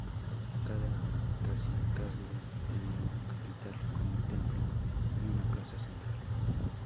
Cada cacicazgo tenía una capital con un templo y una plaza central.